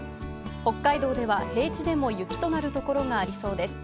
北海道では平地でも雪となる所がありそうです。